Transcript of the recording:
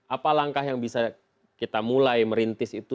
apa langkah yang bisa kita mulai merintis itu